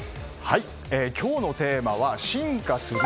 今日のテーマは進化する